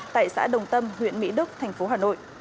tại xã đồng tâm huyện mỹ đức thành phố hà nội